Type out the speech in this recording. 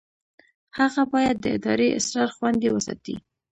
هغه باید د ادارې اسرار خوندي وساتي.